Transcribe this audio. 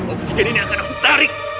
oksigen ini akan aku tarik